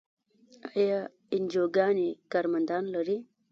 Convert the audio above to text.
آیا انجیوګانې کارمندان لري؟